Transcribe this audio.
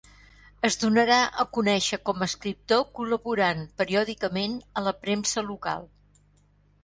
Es donà a conèixer com a escriptor col·laborant periòdicament a la premsa local.